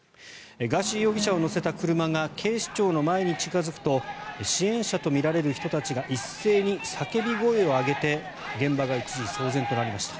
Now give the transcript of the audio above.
ガーシー容疑者を乗せた車が警視庁の前に近付くと支援者とみられる人たちが一斉に叫び声を上げて現場が一時、騒然となりました。